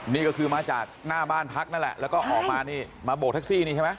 นี่ก็คือมาจากหน้าบ้านพักนั่นแหละแล้วก็ออกมานี่มาโบกแท็กซี่นี่ใช่ไหม